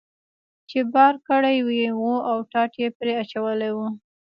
چې بار کړی یې و او ټاټ یې پرې اچولی و.